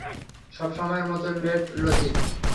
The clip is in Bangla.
সবসময়ের মতো লেট লতিফ।